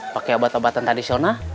pakai obat obatan tradisional